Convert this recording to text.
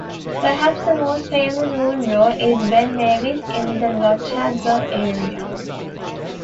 Perhaps the most famous Munro is Ben Nevis in the Lochaber area.